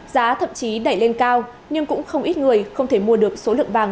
giá thậm chí đẩy lên cao nhưng cũng không ít người không thể mua được số lượng vàng